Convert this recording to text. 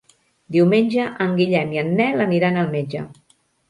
Diumenge en Guillem i en Nel aniran al metge.